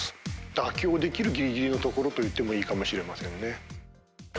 妥協できるぎりぎりのところといってもいいかもしれませんね。